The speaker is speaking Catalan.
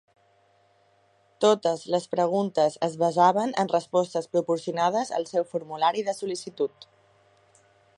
Totes les preguntes es basaven en respostes proporcionades al seu formulari de sol·licitud.